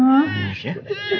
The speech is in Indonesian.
udah nyanyi ya